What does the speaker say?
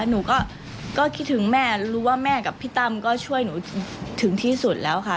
หนูก็คิดถึงแม่รู้ว่าแม่กับพี่ตั้มก็ช่วยหนูถึงที่สุดแล้วค่ะ